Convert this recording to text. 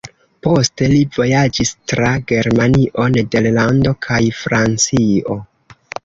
Poste li vojaĝis tra Germanio, Nederlando kaj Francio.